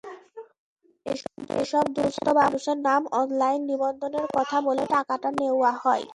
এসব দুস্থ মানুষের নাম অনলাইন নিবন্ধনের কথা বলে টাকাটা নেওয়া হয়।